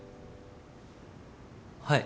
はい。